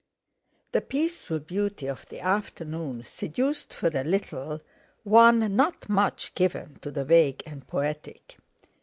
The peaceful beauty of the afternoon seduced for a little one not much given to the vague and poetic.